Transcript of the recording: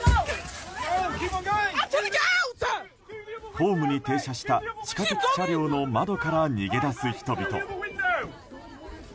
ホームに停車した地下鉄車両の窓から逃げ出す人々。